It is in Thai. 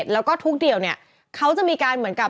แล้วก็ทุกเดี่ยวเนี่ยเขาจะมีการเหมือนกับ